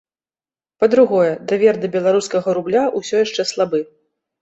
Па-другое, давер да беларускага рубля ўсё яшчэ слабы.